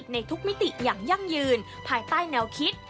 ในทุกมิติอย่างยั่งยืนภายใต้แนวคิด